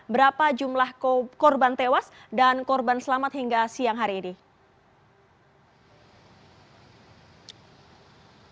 berapa jumlah korban tewas dan korban selamat hingga siang hari ini